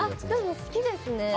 好きですね。